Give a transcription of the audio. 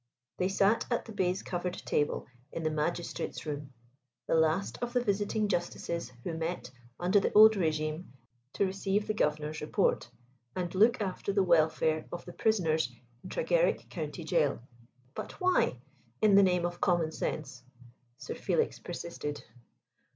They sat at the baize covered table in the Magistrates' Room the last of the Visiting Justices who met, under the old regime, to receive the Governor's report and look after the welfare of the prisoners in Tregarrick County Gaol. "But why, in the name of common sense?" Sir Felix persisted.